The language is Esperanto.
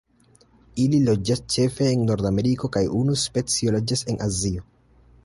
Ili loĝas ĉefe en Nordameriko kaj unu specio loĝas en Azio.